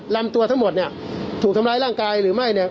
ลำตัวทั้งหมดเนี่ยถูกทำร้ายร่างกายหรือไม่เนี่ย